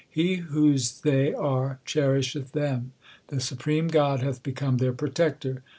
He whose they are cherisheth them ; The supreme God hath become their Protector.